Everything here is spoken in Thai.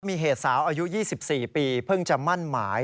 มีเหตุสาวอายุ๒๔ปีเพิ่งจะมั่นหมาย